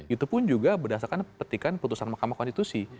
itu pun juga berdasarkan petikan putusan mahkamah konstitusi